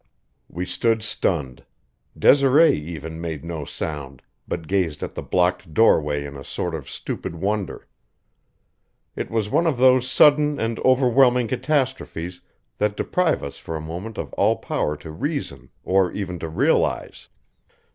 We stood stunned; Desiree even made no sound, but gazed at the blocked doorway in a sort of stupid wonder. It was one of those sudden and overwhelming catastrophes that deprive us for a moment of all power to reason or even to realize.